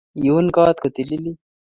lun koot kotililit